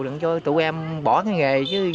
để cho tụi em bỏ cái nghề